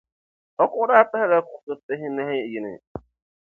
O kuɣu daa pahila kuɣusi pihinahi yini.